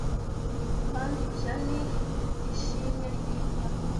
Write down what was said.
kandi ibyo ni ishimwe ryiza